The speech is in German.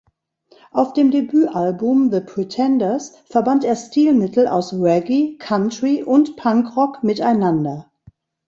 Auf dem Debütalbum "The Pretenders" verband er Stilmittel aus Reggae, Country und Punkrock miteinander.